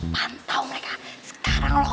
pantau mereka sekarang lo